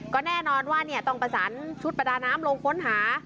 ก็แน่นอนว่าต้องประสานชุดประดาน้ำลงค้นหา